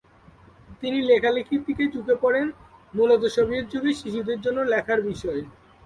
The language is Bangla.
তিনি লেখালেখির দিকে ঝুঁকে পরেন, মূলত সোভিয়েত যুগে শিশুদের জন্য লেখার বিষয়ে।